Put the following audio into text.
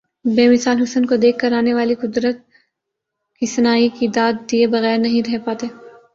بے مثال حسن کو دیکھ کر آنے والے قدرت کی صناعی کی داد دئے بغیر نہیں رہ پاتے ۔